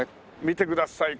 見てください。